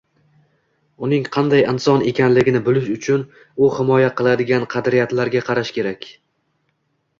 uning qanday inson ekanligini bilish uchun u himoya qiladigan qadriyatlarga qarash kerak